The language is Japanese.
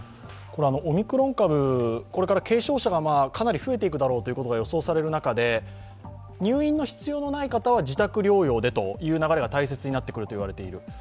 オミクロン株、これから軽症者がかなり増えていくことが予想される中で、入院の必要のない方は自宅療養でという流れが大切になってくると言われている。